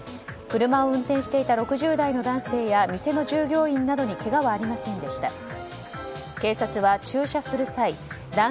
車を運転していた６０代の男性や店の従業員などにけがはありませんでした。